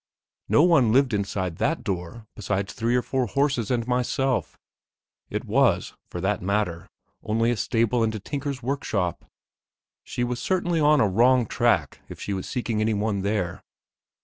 No one lived inside that door besides three or four horses and myself; it was, for that matter, only a stable and a tinker's workshop.... She was certainly on a wrong track if she was seeking any one there.